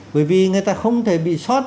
bởi vì người ta không thể bị sót